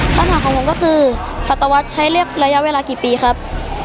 คำถามของผมก็คือสัตวรรษใช้เรียบระยะเวลากี่ปีครับ